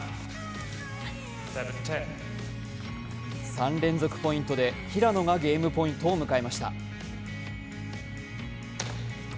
３連続ポイントで平野がゲームポイントを迎えました。